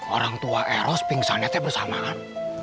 orang tua eros pingsannya bersamaan